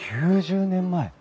９０年前！